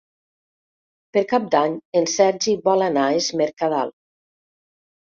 Per Cap d'Any en Sergi vol anar a Es Mercadal.